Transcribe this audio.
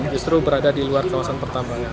justru berada di luar kawasan pertambangan